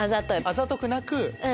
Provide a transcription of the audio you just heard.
あざとくなく。